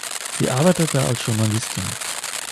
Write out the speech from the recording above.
Sie arbeitete als Journalistin.